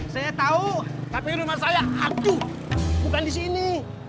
saya tahu tapi rumah saya hapu bukan di sini